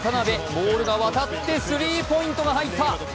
ボールが渡って、スリーポイントが入った。